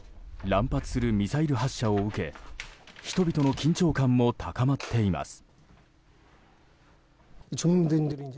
乱発するミサイル発射を受け人々の緊張感も高まっています。